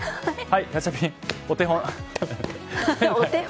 ガチャピン、お手本を。